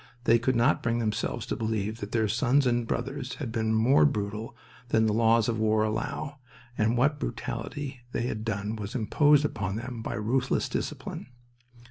They could not bring themselves to believe that their sons and brothers had been more brutal than the laws of war allow, and what brutality they had done was imposed upon them by ruthless discipline.